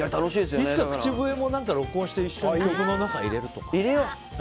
いつか口笛も録音して一緒に曲の中に入れるとか。